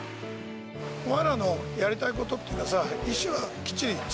お前らのやりたいことっていうかさ。と思う。